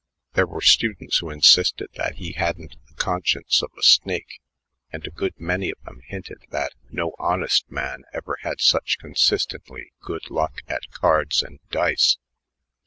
There were students who insisted that he hadn't the conscience of a snake, and a good many of them hinted that no honest man ever had such consistently good luck at cards and dice.